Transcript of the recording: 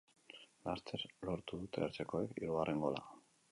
Laster lortu dute etxekoek hirugarren gola.